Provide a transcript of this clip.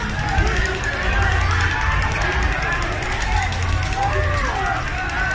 อันนี้ก็มันถูกประโยชน์ก่อน